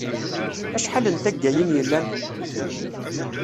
Acḥal n taggayin yellan?